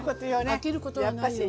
飽きることはないよ。